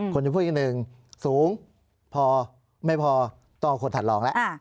คนจะพูดอีกหนึ่งสูงพอไม่พอต้องเอาคนถัดลองแล้ว